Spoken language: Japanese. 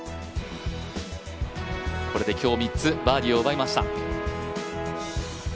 これで今日３つバーディーを奪いました。